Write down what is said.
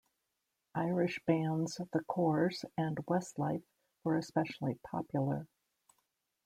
Irish bands The Corrs and Westlife were especially popular.